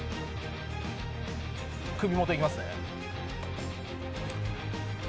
首元いきます。